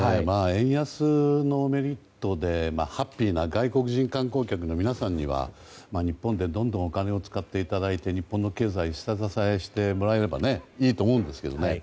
円安のメリットでハッピーな外国人観光客の皆さんには日本で、どんどんお金を使っていただいて日本の経済の下支えをしてもらえればいいと思うんですけどね。